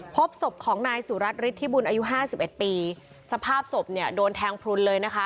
พบสบของนายสุรัตน์ฤทธิบุญอายุ๕๑ปีสภาพสบเนี่ยโดนแทงพลุนเลยนะคะ